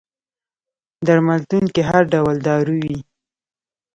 درملتون کي هر ډول دارو وي